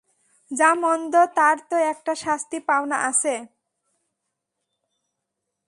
– যা মন্দ তার তো একটা শাস্তি পাওনা আছে?